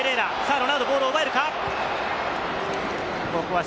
ロナウドはボールを奪えるか？